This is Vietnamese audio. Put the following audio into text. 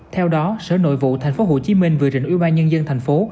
theo đó sở nội vụ tp hcm vừa rỉnh ưu ba nhân dân thành phố